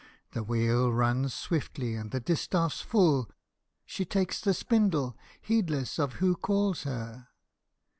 The wheel runs swiftly and the distaff's full, She takes the spindle heedless of who calls her.